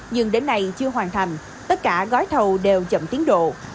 nhưng đến nay chưa hoàn thành tất cả gói thầu đều chậm tiến độ